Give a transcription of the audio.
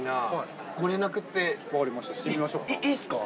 いいっすか？